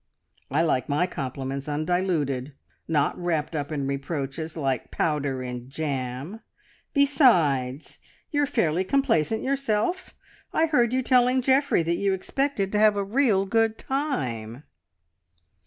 "I like my compliments undiluted, not wrapped up in reproaches, like powder in jam. Besides, you're fairly complacent yourself! I heard you telling Geoffrey that you expected to have a real good time."